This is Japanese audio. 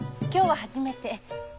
今日は初めて。